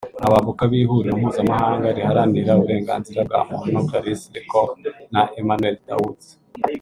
Abavoka b’ihuriro mpuzamahanga riharanira uburenganzira bwa muntu Clarisse Le Corre na Emmanuel Daoud